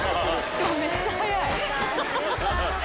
しかもめっちゃ早い！